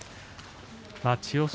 千代翔